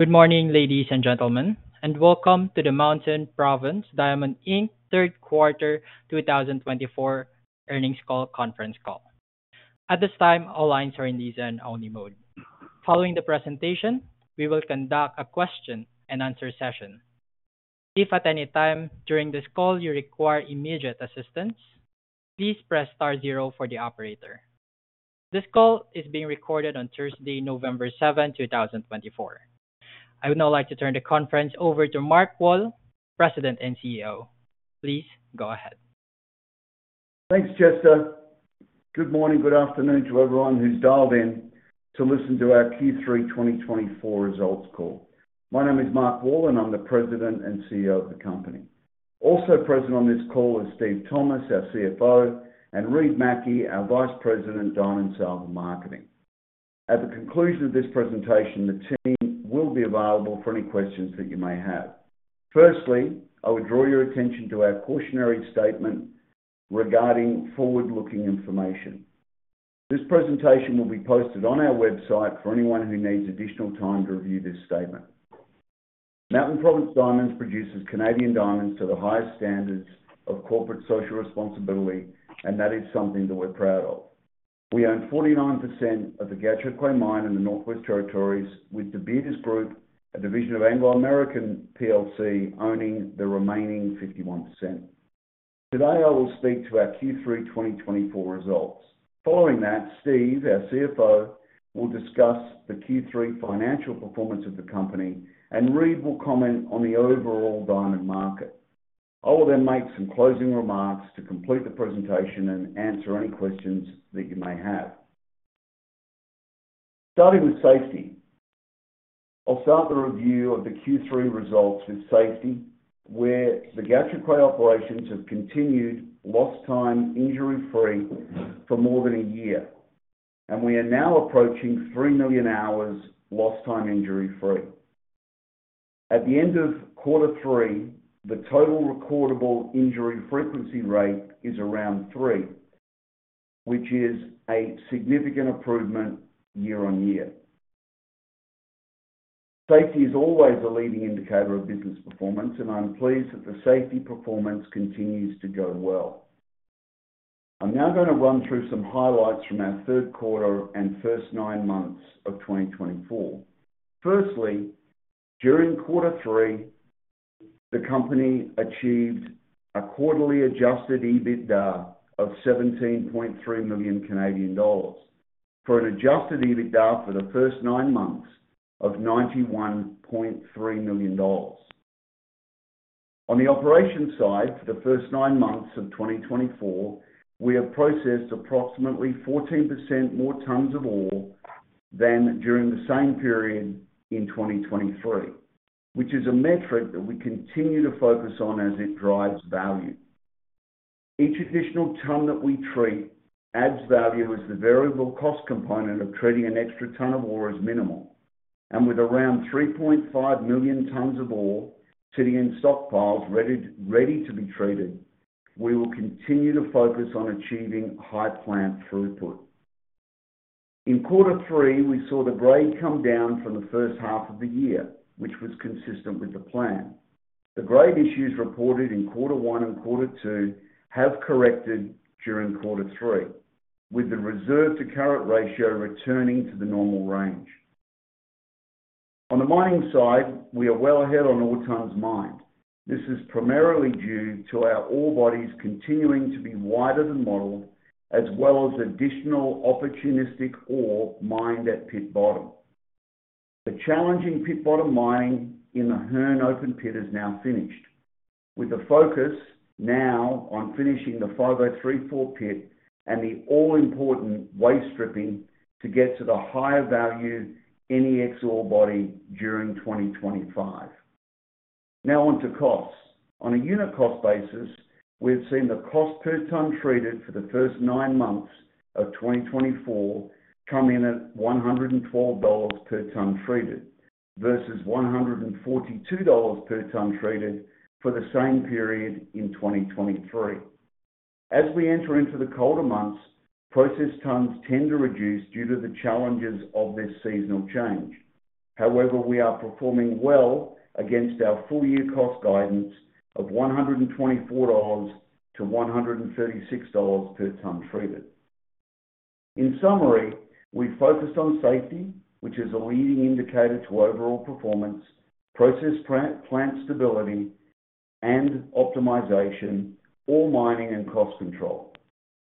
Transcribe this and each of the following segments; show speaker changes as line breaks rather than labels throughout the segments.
Good morning, ladies and gentlemen, and welcome to the Mountain Province Diamonds Inc. Q3 2024 earnings call, conference call. At this time, all lines are in listen-only mode. Following the presentation, we will conduct a question-and-answer session. If at any time during this call you require immediate assistance, please press star zero for the operator. This call is being recorded on Thursday, November 7, 2024. I would now like to turn the conference over to Mark Wall, President and CEO. Please go ahead.
Thanks, Jessica. Good morning, good afternoon to everyone who's dialed in to listen to our Q3 2024 results call. My name is Mark Wall, and I'm the President and CEO of the company. Also present on this call is Steven Thomas, our CFO, and Reid Mackie, our Vice President, Diamond Sales and Marketing. At the conclusion of this presentation, the team will be available for any questions that you may have. Firstly, I would draw your attention to our cautionary statement regarding forward-looking information. This presentation will be posted on our website for anyone who needs additional time to review this statement. Mountain Province Diamonds produces Canadian diamonds to the highest standards of corporate social responsibility, and that is something that we're proud of. We own 49% of the Gahcho Kué mine in the Northwest Territories, with De Beers Group, a division of Anglo American PLC, owning the remaining 51%. Today, I will speak to our Q3 2024 results. Following that, Steven, our CFO, will discuss the Q3 financial performance of the company, and Reid will comment on the overall diamond market. I will then make some closing remarks to complete the presentation and answer any questions that you may have. Starting with safety, I'll start the review of the Q3 results with safety, where the Gahcho Kué operations have continued lost-time injury-free for more than a year, and we are now approaching three million hours lost-time injury-free. At the end of Q3, the total recordable injury frequency rate is around three, which is a significant improvement year on year. Safety is always a leading indicator of business performance, and I'm pleased that the safety performance continues to go well. I'm now going to run through some highlights from our Q3 and first nine months of 2024. Firstly, during Q3, the company achieved a quarterly Adjusted EBITDA of 17.3 million Canadian dollars for an Adjusted EBITDA for the first nine months of 91.3 million dollars. On the operations side, for the first nine months of 2024, we have processed approximately 14% more tons of ore than during the same period in 2023, which is a metric that we continue to focus on as it drives value. Each additional ton that we treat adds value as the variable cost component of treating an extra ton of ore is minimal, and with around 3.5 million tons of ore sitting in stockpiles ready to be treated, we will continue to focus on achieving high plant throughput. In Q3, we saw the grade come down from the first half of the year, which was consistent with the plan. The grade issues reported in Q1 and Q2 have corrected during Q3, with the reserve-to-current ratio returning to the normal range. On the mining side, we are well ahead on ore tons mined. This is primarily due to our ore bodies continuing to be wider than model, as well as additional opportunistic ore mined at pit bottom. The challenging pit bottom mining in the Hearne Open Pit is now finished, with the focus now on finishing the 5034 Pit and the all-important waste stripping to get to the higher value NEX Ore Body during 2025. Now on to costs. On a unit cost basis, we've seen the cost per ton treated for the first nine months of 2024 come in at $112 per ton treated versus $142 per ton treated for the same period in 2023. As we enter into the colder months, processed tons tend to reduce due to the challenges of this seasonal change. However, we are performing well against our full-year cost guidance of $124-$136 per ton treated. In summary, we focused on safety, which is a leading indicator to overall performance, processed plant stability, and optimization, ore mining and cost control.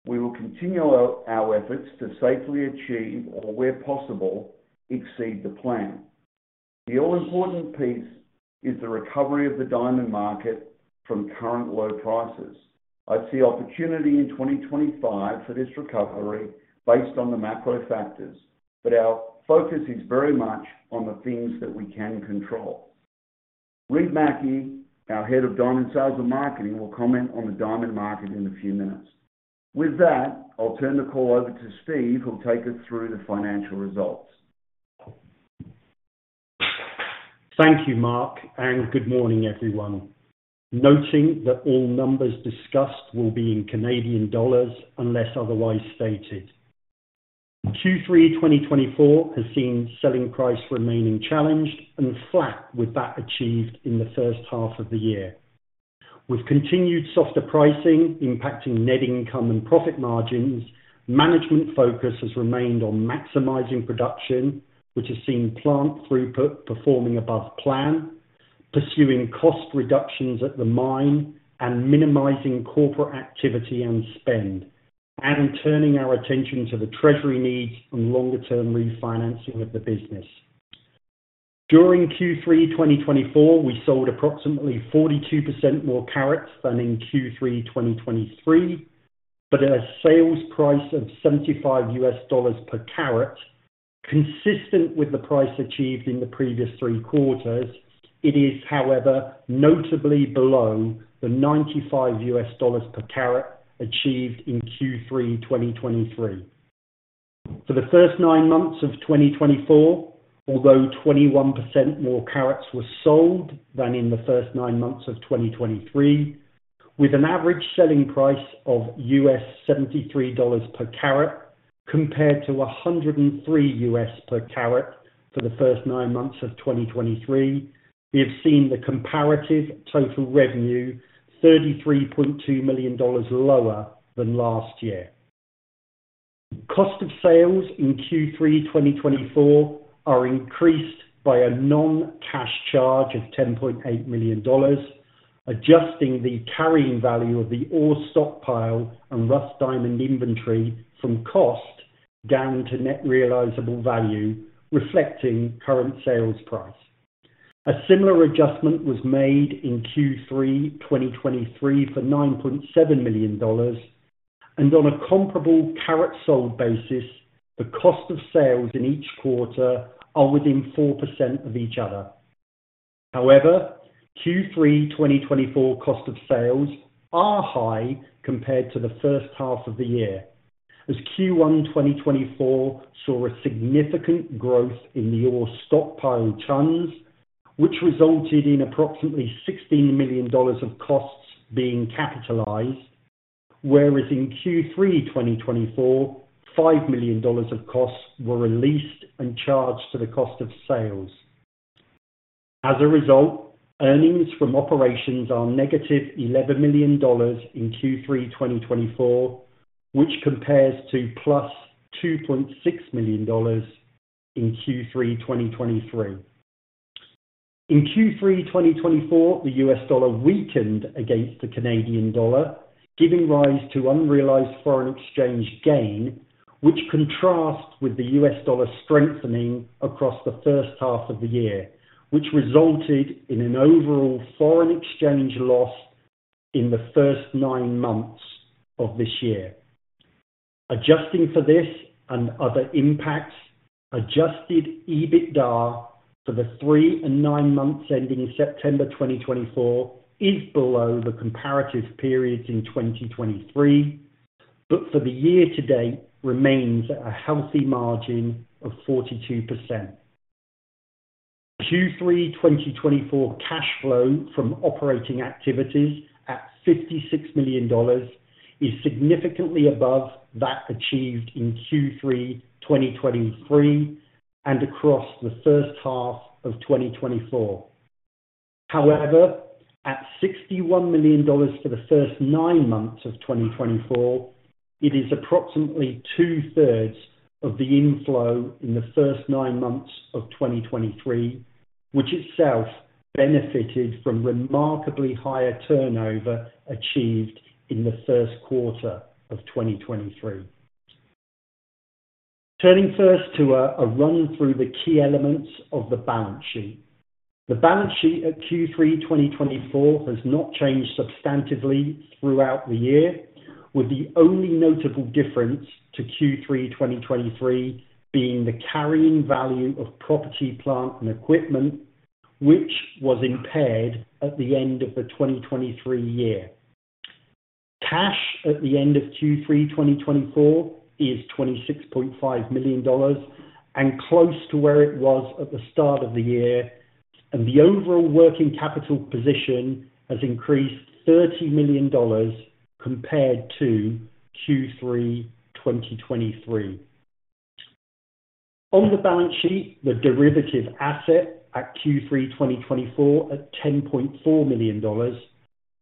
We will continue our efforts to safely achieve, or where possible, exceed the plan. The all-important piece is the recovery of the diamond market from current low prices. I'd see opportunity in 2025 for this recovery based on the macro factors, but our focus is very much on the things that we can control. Reid Mackie, our Head of Diamond Sales and Marketing, will comment on the diamond market in a few minutes. With that, I'll turn the call over to Steven, who'll take us through the financial results.
Thank you, Mark, and good morning, everyone. Noting that all numbers discussed will be in Canadian dollars unless otherwise stated. Q3 2024 has seen selling price remaining challenged and flat with that achieved in the first half of the year. With continued softer pricing impacting net income and profit margins, management focus has remained on maximizing production, which has seen plant throughput performing above plan, pursuing cost reductions at the mine, and minimizing corporate activity and spend, and turning our attention to the Treasury needs and longer-term refinancing of the business. During Q3 2024, we sold approximately 42% more carats than in Q3 2023, but at a sales price of CAD 75 per carat, consistent with the price achieved in the previous three quarters, it is, however, notably below the CAD 95 per carat achieved in Q3 2023. For the first nine months of 2024, although 21% more carats were sold than in the first nine months of 2023, with an average selling price of $73 per carat compared to $103 per carat for the first nine months of 2023, we have seen the comparative total revenue $33.2 million lower than last year. Cost of sales in Q3 2024 are increased by a non-cash charge of $10.8 million, adjusting the carrying value of the ore stockpile and rough diamond inventory from cost down to net realizable value, reflecting current sales price. A similar adjustment was made in Q3 2023 for $9.7 million, and on a comparable carat-sold basis, the cost of sales in each quarter are within 4% of each other. However, Q3 2024 cost of sales are high compared to the first half of the year, as Q1 2024 saw a significant growth in the ore stockpile tons, which resulted in approximately $16 million of costs being capitalized, whereas in Q3 2024, $5 million of costs were released and charged to the cost of sales. As a result, earnings from operations are negative $11 million in Q3 2024, which compares to plus $2.6 million in Q3 2023. In Q3 2024, the U.S. dollar weakened against the Canadian dollar, giving rise to unrealized foreign exchange gain, which contrasts with the U.S. dollar strengthening across the first half of the year, which resulted in an overall foreign exchange loss in the first nine months of this year. Adjusting for this and other impacts, Adjusted EBITDA for the three and nine months ending September 2024 is below the comparative periods in 2023, but for the year to date remains at a healthy margin of 42%. Q3 2024 cash flow from operating activities at $56 million is significantly above that achieved in Q3 2023 and across the first half of 2024. However, at $61 million for the first nine months of 2024, it is approximately two-thirds of the inflow in the first nine months of 2023, which itself benefited from remarkably higher turnover achieved in the first quarter of 2023. Turning first to a run through the key elements of the balance sheet. The balance sheet at Q3 2024 has not changed substantively throughout the year, with the only notable difference to Q3 2023 being the carrying value of property, plant, and equipment, which was impaired at the end of the 2023 year. Cash at the end of Q3 2024 is $26.5 million and close to where it was at the start of the year, and the overall working capital position has increased $30 million compared to Q3 2023. On the balance sheet, the derivative asset at Q3 2024 at $10.4 million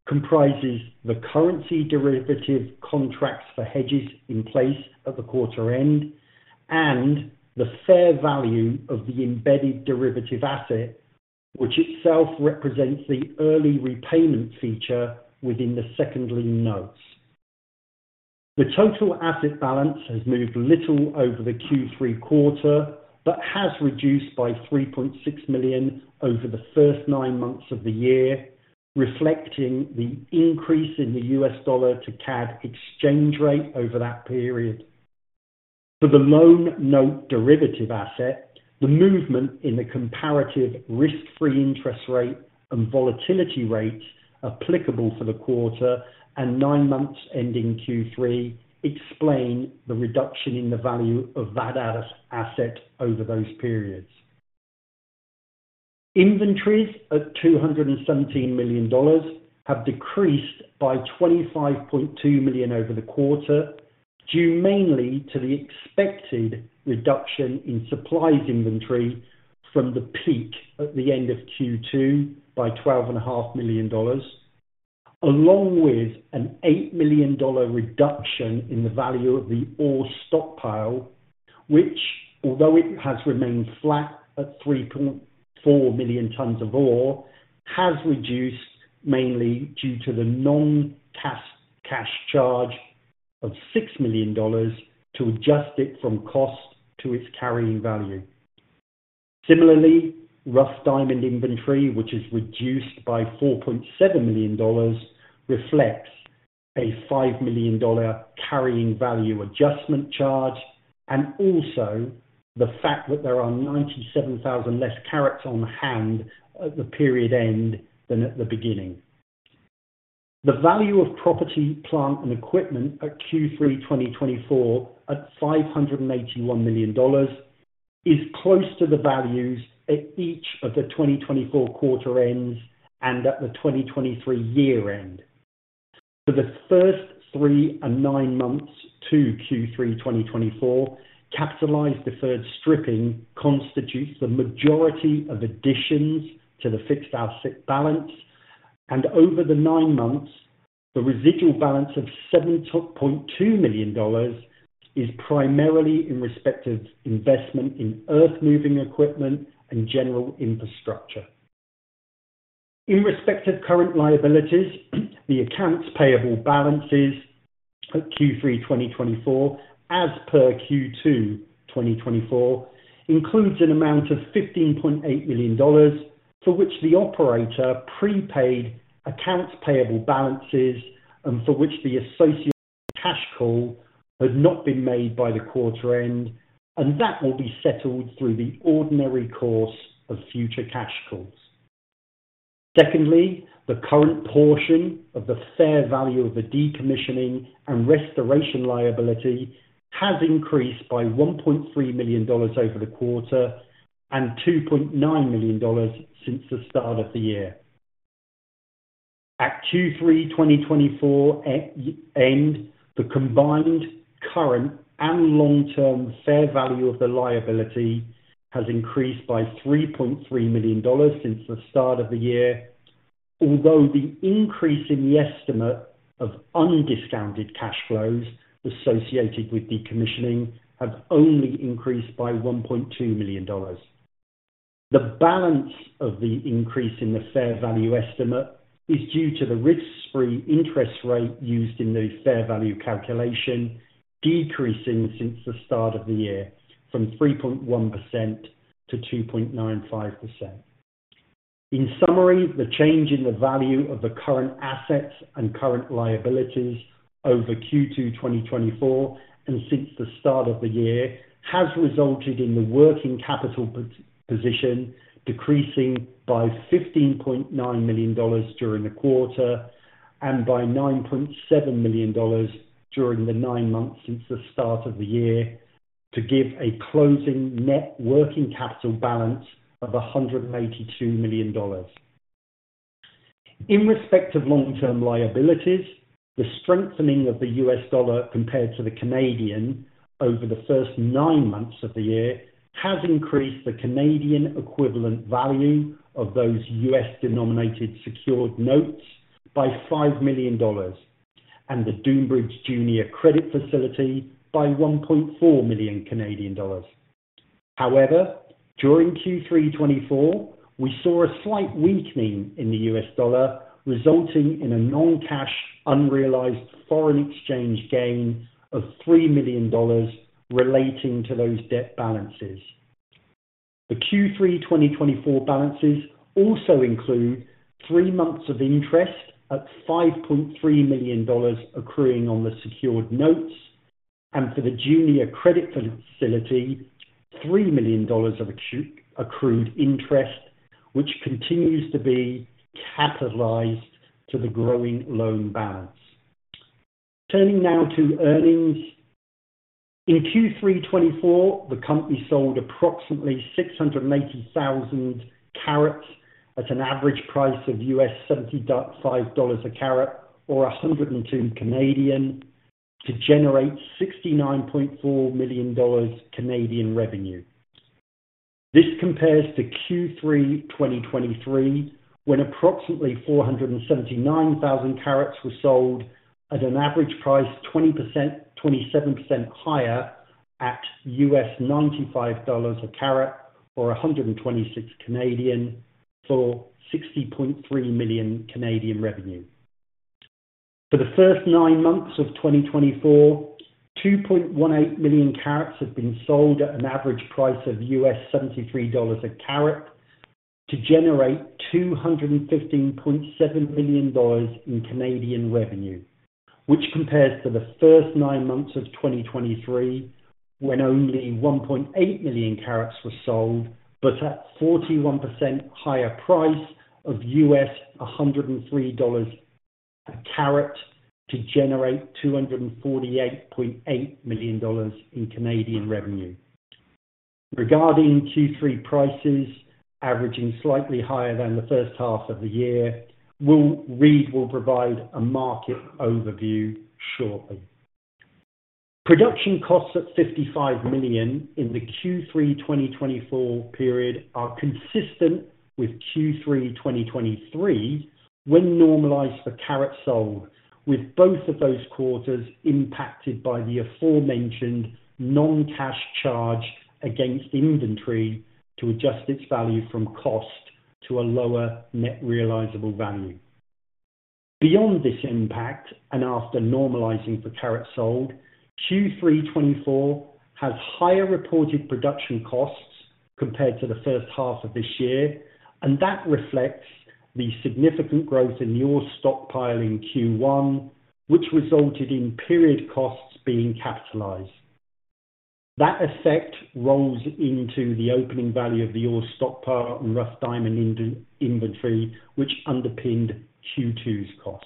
comprises the currency derivative contracts for hedges in place at the quarter end and the fair value of the embedded derivative asset, which itself represents the early repayment feature within the Second Lien Notes. The total asset balance has moved little over the Q3 quarter but has reduced by $3.6 million over the first nine months of the year, reflecting the increase in the US dollar to CAD exchange rate over that period. For the loan note derivative asset, the movement in the comparative risk-free interest rate and volatility rates applicable for the quarter and nine months ending Q3 explain the reduction in the value of that asset over those periods. Inventories at $217 million have decreased by $25.2 million over the quarter, due mainly to the expected reduction in supplies inventory from the peak at the end of Q2 by $12.5 million, along with an $8 million reduction in the value of the ore stockpile. Although it has remained flat at 3.4 million tons of ore, it has reduced mainly due to the non-cash charge of $6 million to adjust it from cost to its carrying value. Similarly, rough diamond inventory, which has reduced by $4.7 million, reflects a $5 million carrying value adjustment charge and also the fact that there are 97,000 less carats on hand at the period end than at the beginning. The value of property, plant, and equipment at Q3 2024 at $581 million is close to the values at each of the 2024 quarter ends and at the 2023 year end. For the first three and nine months to Q3 2024, capitalized deferred stripping constitutes the majority of additions to the fixed asset balance, and over the nine months, the residual balance of $7.2 million is primarily in respect of investment in earth-moving equipment and general infrastructure. In respect of current liabilities, the accounts payable balances at Q3 2024, as per Q2 2024, include an amount of $15.8 million for which the operator prepaid accounts payable balances and for which the associated cash call had not been made by the quarter end, and that will be settled through the ordinary course of future cash calls. Secondly, the current portion of the fair value of the decommissioning and restoration liability has increased by $1.3 million over the quarter and $2.9 million since the start of the year. At Q3 2024 end, the combined current and long-term fair value of the liability has increased by $3.3 million since the start of the year, although the increase in the estimate of undiscounted cash flows associated with decommissioning has only increased by $1.2 million. The balance of the increase in the fair value estimate is due to the risk-free interest rate used in the fair value calculation decreasing since the start of the year from 3.1% to 2.95%. In summary, the change in the value of the current assets and current liabilities over Q2 2024 and since the start of the year has resulted in the working capital position decreasing by $15.9 million during the quarter and by $9.7 million during the nine months since the start of the year, to give a closing net working capital balance of $182 million. In respect of long-term liabilities, the strengthening of the U.S. dollar compared to the Canadian dollar over the first nine months of the year has increased the Canadian equivalent value of those U.S.-denominated secured notes by $5 million and the Dunebridge Junior Credit Facility by $1.4 million. However, during Q3 2024, we saw a slight weakening in the US dollar, resulting in a non-cash unrealized foreign exchange gain of $3 million relating to those debt balances. The Q3 2024 balances also include three months of interest at $5.3 million accruing on the secured notes and for the Junior Credit Facility, $3 million of accrued interest, which continues to be capitalized to the growing loan balance. Turning now to earnings. In Q3 2024, the company sold approximately 680,000 carats at an average price of $75 a carat or 102 to generate 69.4 million Canadian dollars revenue. This compares to Q3 2023, when approximately 479,000 carats were sold at an average price 20%, 27% higher at $95 a carat or 126 for 60.3 million Canadian revenue. For the first nine months of 2024, 2.18 million carats have been sold at an average price of $73 a carat to generate CAD $215.7 million in Canadian revenue, which compares to the first nine months of 2023, when only 1.8 million carats were sold but at 41% higher price of $103 a carat to generate CAD $248.8 million in Canadian revenue. Regarding Q3 prices, averaging slightly higher than the first half of the year, Reid will provide a market overview shortly. Production costs at CAD $55 million in the Q3 2024 period are consistent with Q3 2023 when normalized for carats sold, with both of those quarters impacted by the aforementioned non-cash charge against inventory to adjust its value from cost to a lower net realizable value. Beyond this impact, and after normalizing for carats sold, Q3 2024 has higher reported production costs compared to the first half of this year, and that reflects the significant growth in the ore stockpile in Q1, which resulted in period costs being capitalized. That effect rolls into the opening value of the ore stockpile and rough diamond inventory, which underpinned Q2's cost.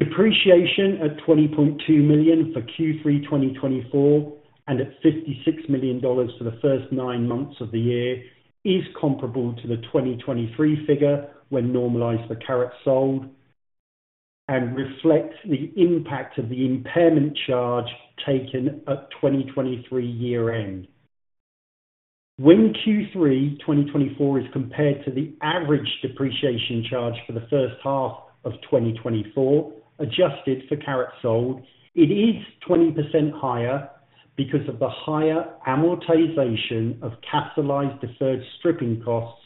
Depreciation at $20.2 million for Q3 2024 and at $56 million for the first nine months of the year is comparable to the 2023 figure when normalized for carats sold and reflects the impact of the impairment charge taken at 2023 year-end. When Q3 2024 is compared to the average depreciation charge for the first half of 2024, adjusted for carats sold, it is 20% higher because of the higher amortization of capitalized deferred stripping costs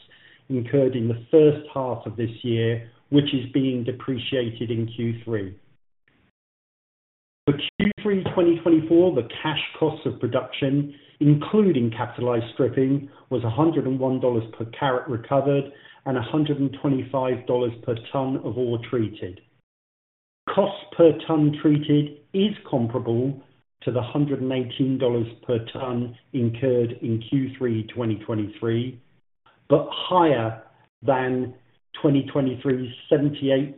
incurred in the first half of this year, which is being depreciated in Q3. For Q3 2024, the cash cost of production, including capitalized stripping, was 101 dollars per carat recovered and 125 dollars per ton of ore treated. Cost per ton treated is comparable to the 118 dollars per ton incurred in Q3 2023 but higher than 2023's CAD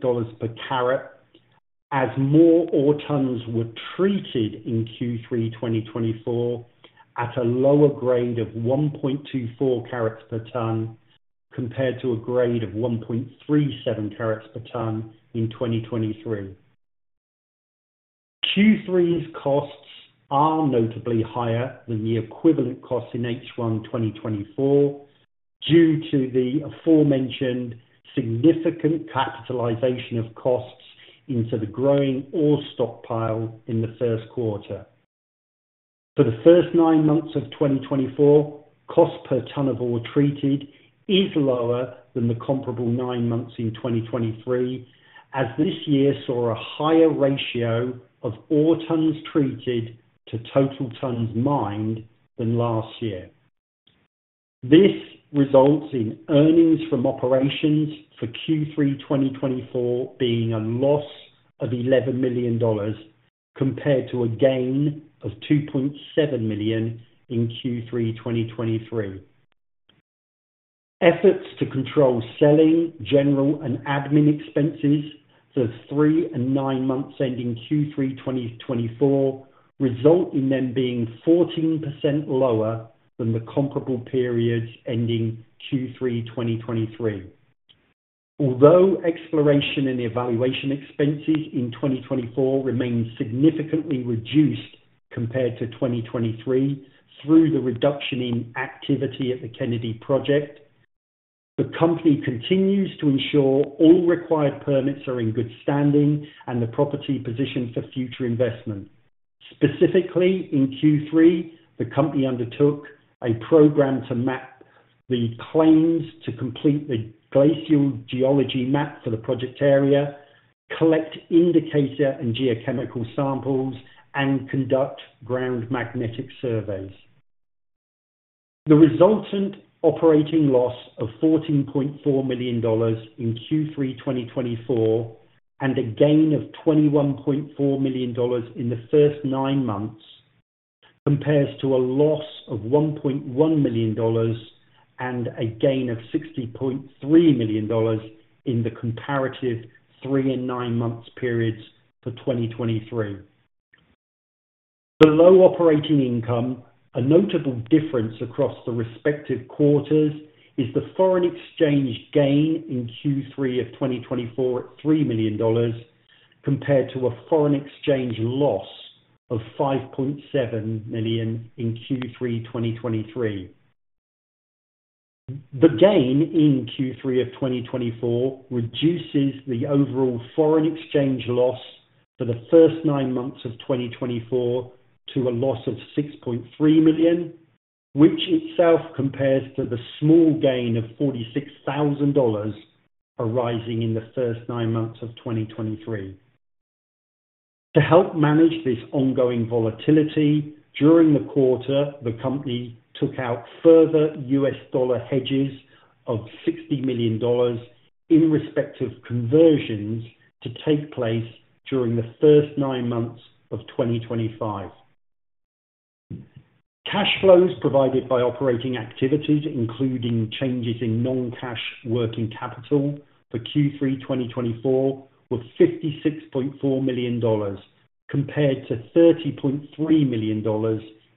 78 per carat, as more ore tons were treated in Q3 2024 at a lower grade of 1.24 carats per ton compared to a grade of 1.37 carats per ton in 2023. Q3's costs are notably higher than the equivalent cost in H1 2024 due to the aforementioned significant capitalization of costs into the growing ore stockpile in the first quarter. For the first nine months of 2024, cost per ton of ore treated is lower than the comparable nine months in 2023, as this year saw a higher ratio of ore tons treated to total tons mined than last year. This results in earnings from operations for Q3 2024 being a loss of $11 million compared to a gain of $2.7 million in Q3 2023. Efforts to control selling, general, and admin expenses for the three and nine months ending Q3 2024 result in them being 14% lower than the comparable periods ending Q3 2023. Although exploration and evaluation expenses in 2024 remain significantly reduced compared to 2023 through the reduction in activity at the Kennady Project, the company continues to ensure all required permits are in good standing and the property position for future investment. Specifically, in Q3, the company undertook a program to map the claims to complete the glacial geology map for the project area, collect indicator and geochemical samples, and conduct ground magnetic surveys. The resultant operating loss of 14.4 million dollars in Q3 2024 and a gain of 21.4 million dollars in the first nine months compares to a loss of 1.1 million dollars and a gain of 60.3 million dollars in the comparative three and nine months periods for 2023. Below operating income, a notable difference across the respective quarters is the foreign exchange gain in Q3 of 2024 at $3 million compared to a foreign exchange loss of $5.7 million in Q3 2023. The gain in Q3 of 2024 reduces the overall foreign exchange loss for the first nine months of 2024 to a loss of $6.3 million, which itself compares to the small gain of $46,000 arising in the first nine months of 2023. To help manage this ongoing volatility during the quarter, the company took out further U.S. dollar hedges of $60 million in respect of conversions to take place during the first nine months of 2025. Cash flows provided by operating activity, including changes in non-cash working capital for Q3 2024, were $56.4 million compared to $30.3 million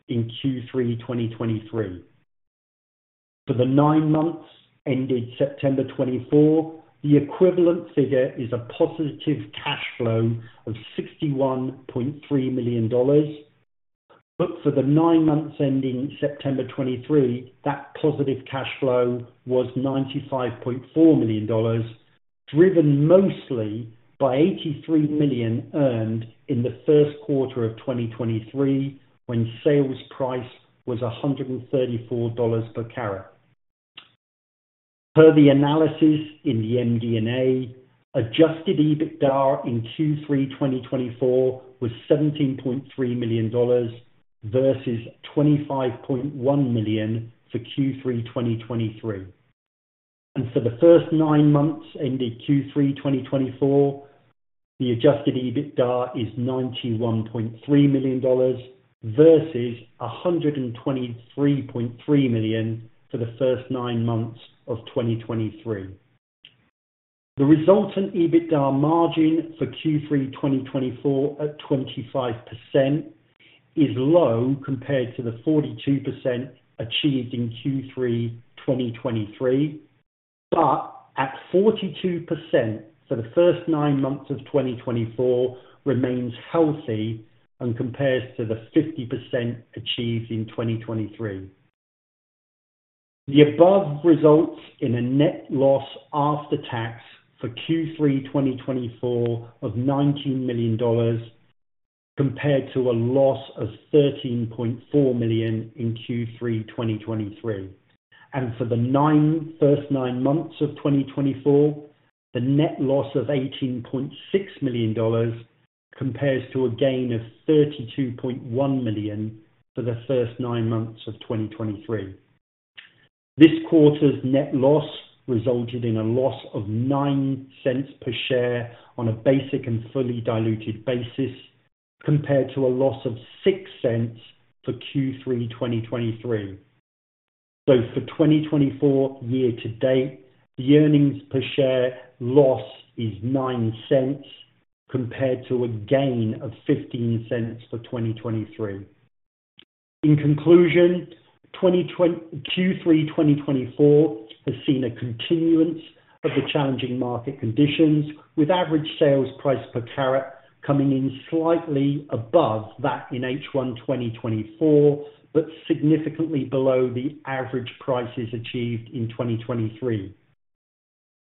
in Q3 2023. For the nine months ending September 2024, the equivalent figure is a positive cash flow of $61.3 million, but for the nine months ending September 2023, that positive cash flow was $95.4 million, driven mostly by $83 million earned in the first quarter of 2023 when sales price was $134 per carat. Per the analysis in the MD&A, Adjusted EBITDA in Q3 2024 was $17.3 million versus $25.1 million for Q3 2023, and for the first nine months ending Q3 2024, the Adjusted EBITDA is $91.3 million versus $123.3 million for the first nine months of 2023. The resultant EBITDA margin for Q3 2024 at 25% is low compared to the 42% achieved in Q3 2023, but at 42% for the first nine months of 2024 remains healthy and compares to the 50% achieved in 2023. The above results in a net loss after tax for Q3 2024 of $19 million compared to a loss of $13.4 million in Q3 2023, and for the first nine months of 2024, the net loss of $18.6 million compares to a gain of $32.1 million for the first nine months of 2023. This quarter's net loss resulted in a loss of $0.09 per share on a basic and fully diluted basis compared to a loss of $0.06 for Q3 2023, so for 2024 year-to-date, the earnings per share loss is $0.09 compared to a gain of $0.15 for 2023. In conclusion, Q3 2024 has seen a continuance of the challenging market conditions, with average sales price per carat coming in slightly above that in H1 2024 but significantly below the average prices achieved in 2023.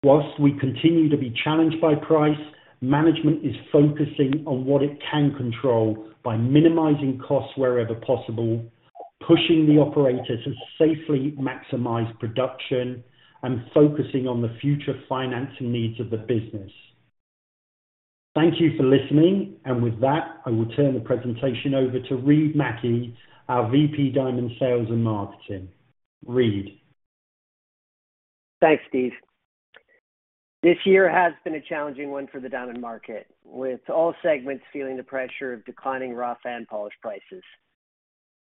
While we continue to be challenged by price, management is focusing on what it can control by minimizing costs wherever possible, pushing the operators to safely maximize production, and focusing on the future financing needs of the business. Thank you for listening, and with that, I will turn the presentation over to Reid Mackie, our VP, Diamond Sales and Marketing. Reid.
Thanks, Steven. This year has been a challenging one for the diamond market, with all segments feeling the pressure of declining rough and polished prices.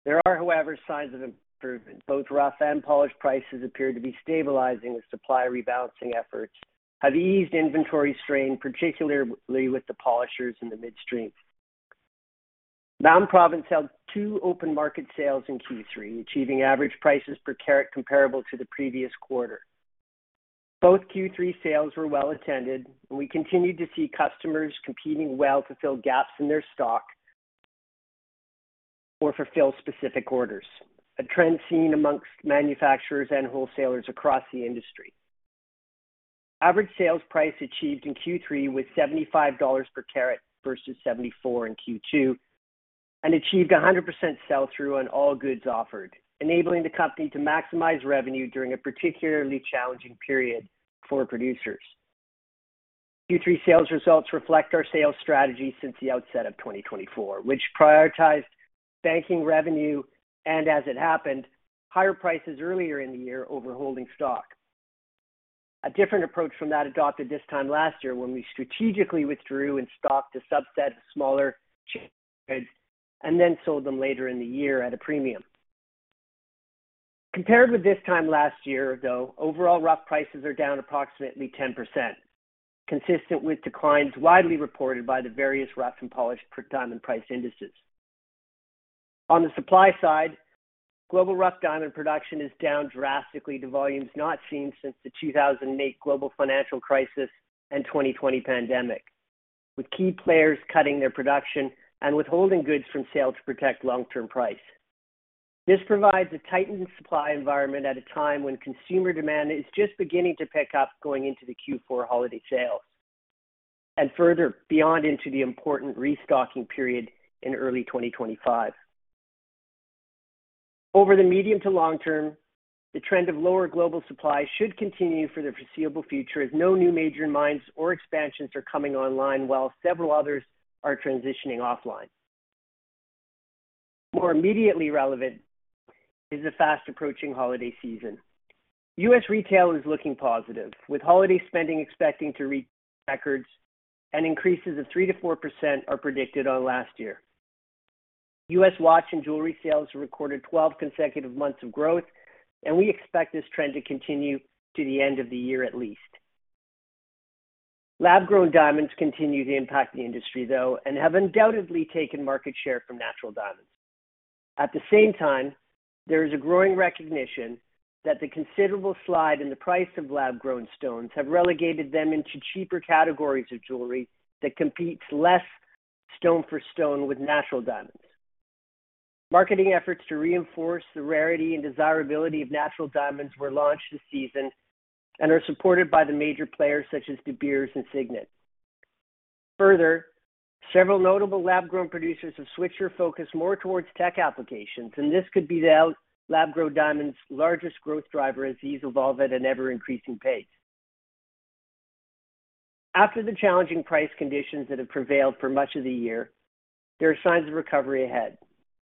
There are, however, signs of improvement. Both rough and polished prices appear to be stabilizing, as supply rebalancing efforts have eased inventory strain, particularly with the polishers in the midstream. Mountain Province held two open market sales in Q3, achieving average prices per carat comparable to the previous quarter. Both Q3 sales were well attended, and we continued to see customers competing well to fill gaps in their stock or fulfill specific orders, a trend seen amongst manufacturers and wholesalers across the industry. Average sales price achieved in Q3 was $75 per carat versus $74 in Q2, and achieved 100% sell-through on all goods offered, enabling the company to maximize revenue during a particularly challenging period for producers. Q3 sales results reflect our sales strategy since the outset of 2024, which prioritized banking revenue and, as it happened, higher prices earlier in the year over holding stock. A different approach from that adopted this time last year when we strategically withdrew and stocked a subset of smaller chip goods and then sold them later in the year at a premium. Compared with this time last year, though, overall rough prices are down approximately 10%, consistent with declines widely reported by the various rough and polished diamond price indices. On the supply side, global rough diamond production is down drastically to volumes not seen since the 2008 global financial crisis and 2020 pandemic, with key players cutting their production and withholding goods from sale to protect long-term price. This provides a tightened supply environment at a time when consumer demand is just beginning to pick up going into the Q4 holiday sales and further beyond into the important restocking period in early 2025. Over the medium to long term, the trend of lower global supply should continue for the foreseeable future if no new major mines or expansions are coming online while several others are transitioning offline. More immediately relevant is the fast-approaching holiday season. U.S. retail is looking positive, with holiday spending expecting to reach records and increases of 3%-4% are predicted on last year. U.S. watch and jewelry sales recorded 12 consecutive months of growth, and we expect this trend to continue to the end of the year at least. Lab-grown diamonds continue to impact the industry, though, and have undoubtedly taken market share from natural diamonds. At the same time, there is a growing recognition that the considerable slide in the price of lab-grown stones has relegated them into cheaper categories of jewelry that compete less stone for stone with natural diamonds. Marketing efforts to reinforce the rarity and desirability of natural diamonds were launched this season and are supported by the major players such as De Beers and Signet. Further, several notable lab-grown producers have switched their focus more towards tech applications, and this could be lab-grown diamonds' largest growth driver as these evolve at an ever-increasing pace. After the challenging price conditions that have prevailed for much of the year, there are signs of recovery ahead.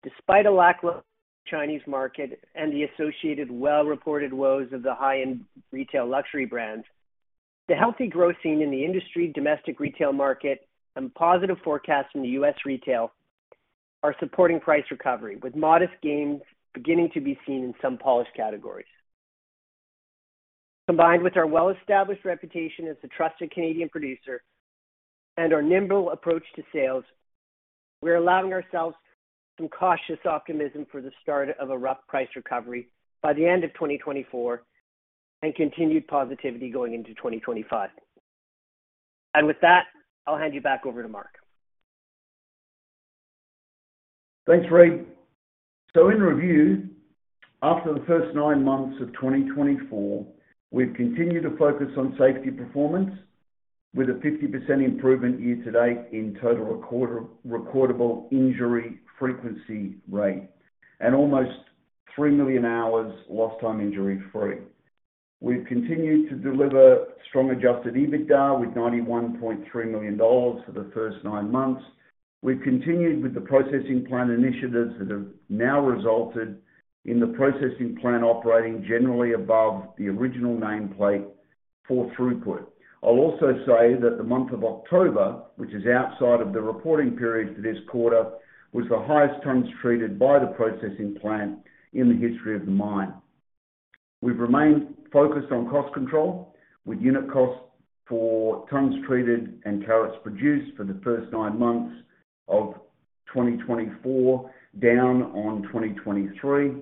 Despite a lackluster Chinese market and the associated well-reported woes of the high-end retail luxury brands, the healthy growth seen in the industry, domestic retail market, and positive forecasts in the U.S. retail are supporting price recovery, with modest gains beginning to be seen in some polished categories. Combined with our well-established reputation as a trusted Canadian producer and our nimble approach to sales, we're allowing ourselves some cautious optimism for the start of a rough price recovery by the end of 2024 and continued positivity going into 2025, and with that, I'll hand you back over to Mark.
Thanks, Reid. In review, after the first nine months of 2024, we've continued to focus on safety performance with a 50% improvement year-to-date in Total Recordable Injury Frequency Rate and almost 3 million hours Lost-time injury-free. We've continued to deliver strong Adjusted EBITDA with $91.3 million for the first nine months. We've continued with the processing plant initiatives that have now resulted in the processing plant operating generally above the original nameplate for throughput. I'll also say that the month of October, which is outside of the reporting period for this quarter, was the highest tons treated by the processing plant in the history of the mine. We've remained focused on cost control with unit costs for tons treated and carats produced for the first nine months of 2024 down on 2023,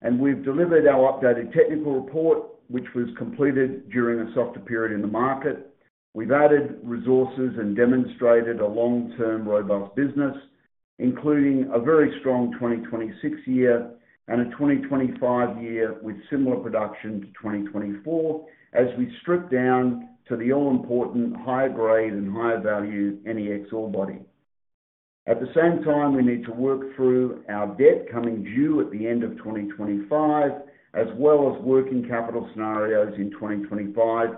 and we've delivered our updated technical report, which was completed during a softer period in the market. We've added resources and demonstrated a long-term robust business, including a very strong 2026 year and a 2025 year with similar production to 2024, as we strip down to the all-important high-grade and high-value NEX ore body. At the same time, we need to work through our debt coming due at the end of 2025, as well as working capital scenarios in 2025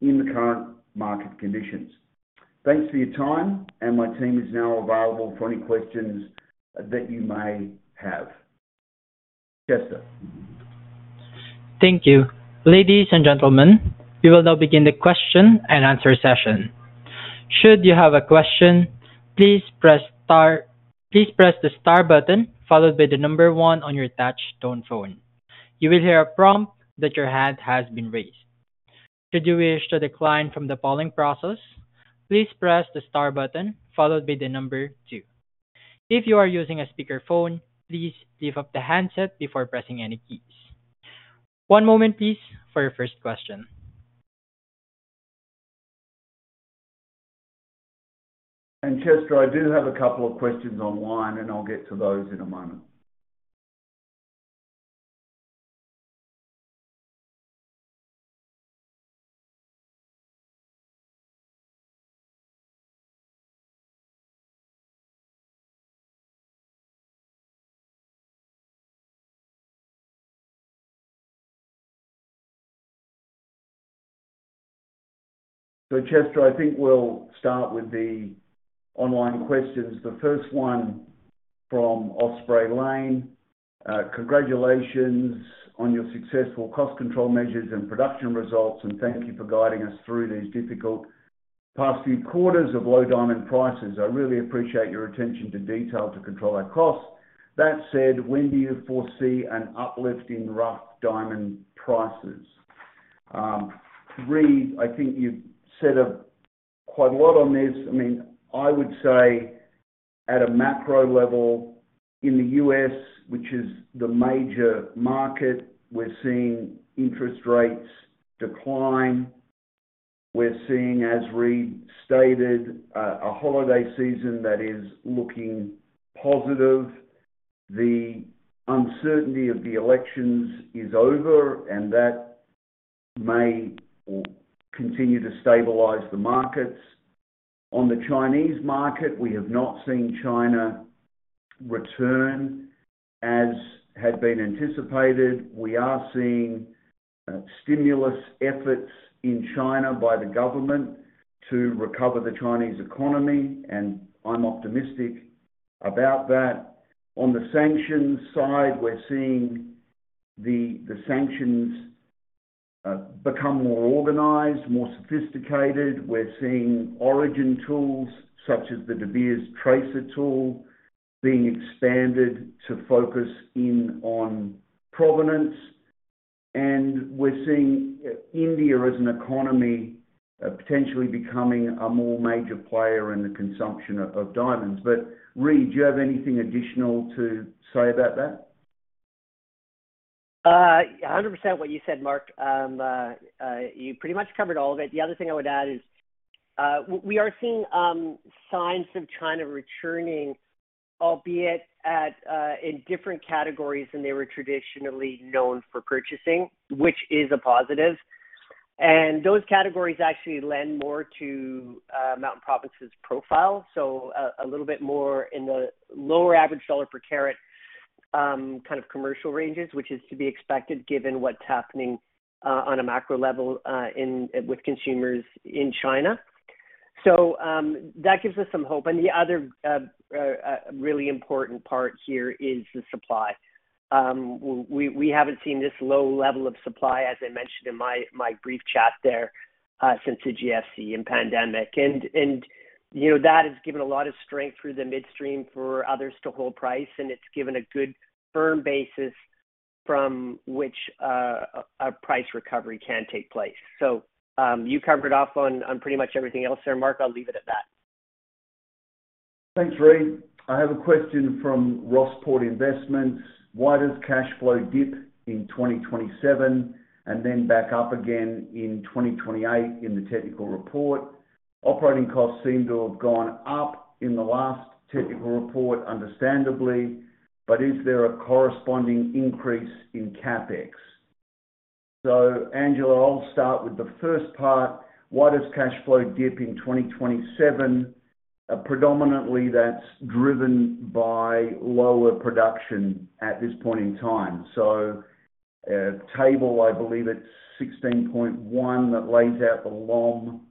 in the current market conditions. Thanks for your time, and my team is now available for any questions that you may have. Chester.
Thank you. Ladies and gentlemen, we will now begin the question and answer session. Should you have a question, please press the star button followed by the number one on your touch-tone phone. You will hear a prompt that your hand has been raised. Should you wish to decline from the following process, please press the star button followed by the number two. If you are using a speakerphone, please lift up the handset before pressing any keys. One moment, please, for your first question.
Chester, I do have a couple of questions online, and I'll get to those in a moment. So Chester, I think we'll start with the online questions. The first one from Osprey Lane. Congratulations on your successful cost control measures and production results, and thank you for guiding us through these difficult past few quarters of low diamond prices. I really appreciate your attention to detail to control our costs. That said, when do you foresee an uplift in rough diamond prices? Reid, I think you've said quite a lot on this. I mean, I would say at a macro level in the US, which is the major market, we're seeing interest rates decline. We're seeing, as Reid stated, a holiday season that is looking positive. The uncertainty of the elections is over, and that may continue to stabilize the markets. On the Chinese market, we have not seen China return as had been anticipated. We are seeing stimulus efforts in China by the government to recover the Chinese economy, and I'm optimistic about that. On the sanctions side, we're seeing the sanctions become more organized, more sophisticated. We're seeing origin tools such as the De Beers Tracr tool being expanded to focus in on provenance. And we're seeing India as an economy potentially becoming a more major player in the consumption of diamonds. But Reid, do you have anything additional to say about that?
100% what you said, Mark. You pretty much covered all of it. The other thing I would add is we are seeing signs of China returning, albeit in different categories than they were traditionally known for purchasing, which is a positive, and those categories actually lend more to Mountain Province's profile, so a little bit more in the lower average dollar per carat kind of commercial ranges, which is to be expected given what's happening on a macro level with consumers in China, so that gives us some hope, and the other really important part here is the supply. We haven't seen this low level of supply, as I mentioned in my brief chat there, since the GFC and pandemic. And that has given a lot of strength through the midstream for others to hold price, and it's given a good firm basis from which a price recovery can take place. So you covered off on pretty much everything else there, Mark. I'll leave it at that.
Thanks, Reid. I have a question from Rossport Investments. Why does cash flow dip in 2027 and then back up again in 2028 in the technical report? Operating costs seem to have gone up in the last technical report, understandably, but is there a corresponding increase in CapEx? So Angela, I'll start with the first part. Why does cash flow dip in 2027? Predominantly, that's driven by lower production at this point in time. So table, I believe it's 16.1 that lays out the LOM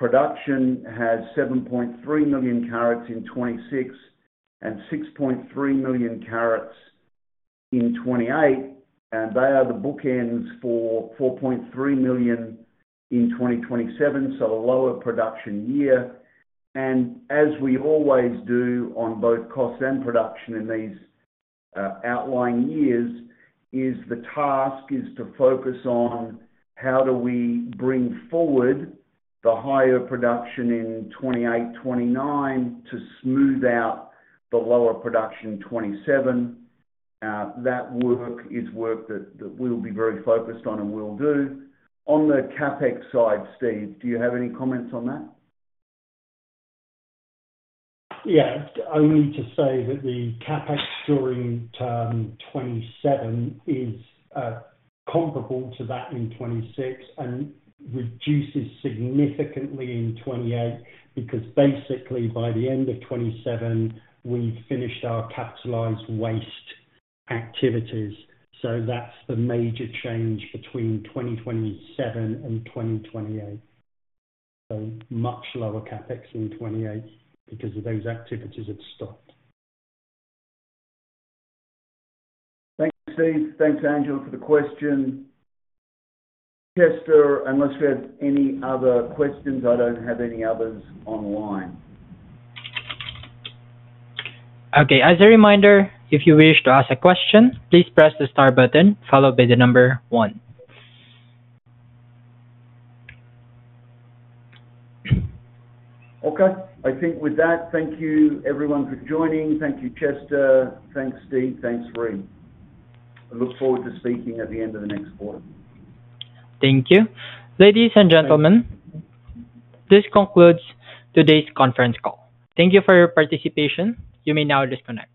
production, has 7.3 million carats in 2026 and 6.3 million carats in 2028. And they are the bookends for 4.3 million in 2027, so a lower production year. As we always do on both cost and production in these outlying years, the task is to focus on how do we bring forward the higher production in 2028, 2029 to smooth out the lower production 2027. That work is work that we'll be very focused on and will do. On the CapEx side, Steven, do you have any comments on that?
Yeah. I need to say that the CapEx during 2027 is comparable to that in 2026 and reduces significantly in 2028 because basically by the end of 2027, we finished our capitalized waste activities. So that's the major change between 2027 and 2028. So much lower CapEx in 2028 because those activities have stopped.
Thanks, Steven. Thanks, Angela, for the question. Chester, unless we have any other questions, I don't have any others online.
Okay. As a reminder, if you wish to ask a question, please press the star button followed by the number one.
Okay. I think with that, thank you everyone for joining. Thank you, Chester. Thanks, Steven. Thanks, Reid. I look forward to speaking at the end of the next quarter.
Thank you. Ladies and gentlemen, this concludes today's conference call. Thank you for your participation. You may now disconnect.